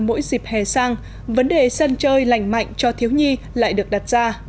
mỗi dịp hè sang vấn đề sân chơi lành mạnh cho thiếu nhi lại được đặt ra